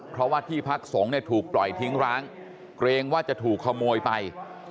เพราะว่าที่พักสงฆ์เนี่ยถูกปล่อยทิ้งร้างเกรงว่าจะถูกขโมยไป